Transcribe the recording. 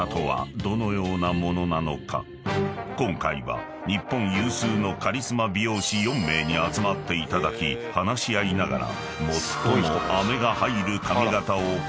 ［今回は日本有数のカリスマ美容師４名に集まっていただき話し合いながら］